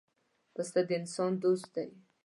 پسه د انسان دوست دی.